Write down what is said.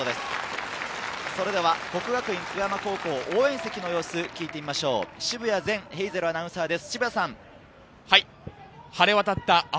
國學院久我山高校・応援席の様子を聞いてみましょう、澁谷善ヘイゼルアナウンサーです。